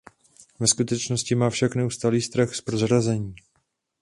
Ve skutečnosti má však neustálý strach z prozrazení.